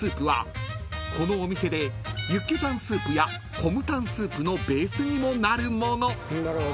［このお店でユッケジャンスープやコムタンスープのベースにもなるもの］